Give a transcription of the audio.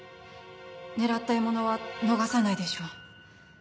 狙った獲物は逃さないでしょう。